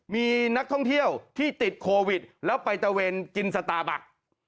มีนักท่องเที่ยวที่ติดโควิดแล้วไปตะเวนกินสตาร์บัก